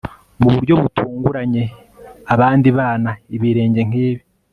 mu buryo butunguranye, abandi bana, ibirenge nkibi